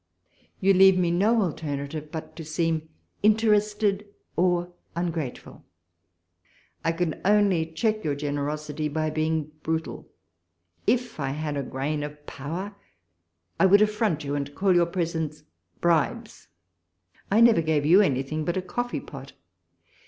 You leave me no alternative but to seem interested or ungrateful. I can only check your generosity by being brutal. If I had a grain of power, I would affront you and call your presents bribes. I never gave you anything but a coffee pot.